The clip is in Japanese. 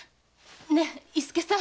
ねえ伊助さん！